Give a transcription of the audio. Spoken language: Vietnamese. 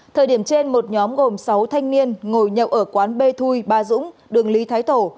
thời điểm trên một nhóm gồm sáu thanh niên ngồi nhậu ở quán b thui ba dũng đường lý thái tổ